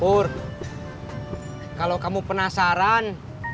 pur kalau kamu penasaran